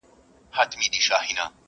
ويل موږ خداى پيدا كړي موږكان يو؛